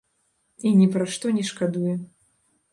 І ні пра што не шкадуе.